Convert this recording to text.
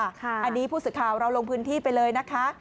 อันนี้ผู้สื่อข่าวเราลงพื้นที่ไปเลยนะคะ